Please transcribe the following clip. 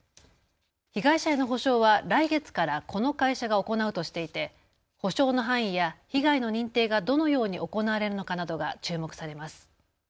被害者の補償は来月からこの会社が行うとしていて補償の範囲や被害の認定がどのように行われるのかなどが注目されます。